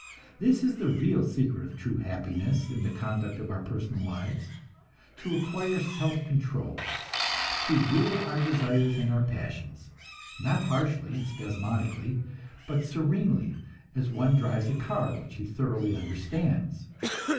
This is the real secret of true happiness in the conduct of our personal lives; to acquire self control, to rule our desires and our passions, not harshly and spasmodically, but serenely, as one drives a car which he thoroughly understands.